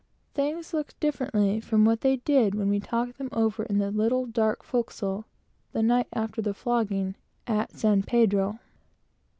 Things looked differently from what they did when we talked them over in the little dark forecastle, the night after the flogging at San Pedro.